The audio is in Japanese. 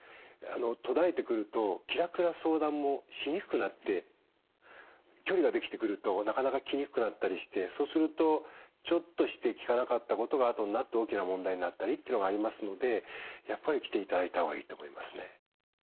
途絶えてくると気楽な相談もしにくくなって距離ができてくるとなかなか来にくくなったりしてそうするとちょっとして聞かなかったことが後になって大きな問題になったりっていうのがありますのでやっぱり来ていただいた方がいいと思いますね。